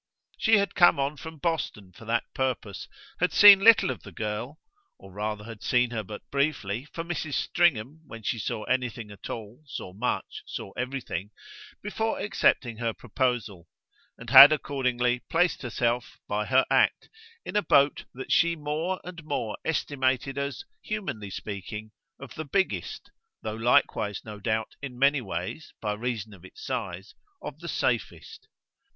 She had come on from Boston for that purpose; had seen little of the girl or rather had seen her but briefly, for Mrs. Stringham, when she saw anything at all, saw much, saw everything before accepting her proposal; and had accordingly placed herself, by her act, in a boat that she more and more estimated as, humanly speaking, of the biggest, though likewise, no doubt, in many ways, by reason of its size, of the safest.